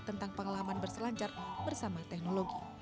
tentang pengalaman berselancar bersama teknologi